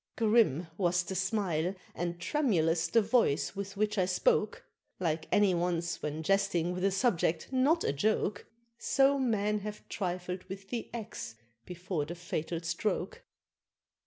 Grim was the smile, and tremulous the voice with which I spoke, Like any one's when jesting with a subject not a joke, So men have trifled with the axe before the fatal stroke.